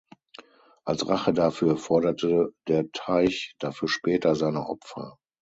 Als Rache dafür forderte der Teich dafür später seine Opfer.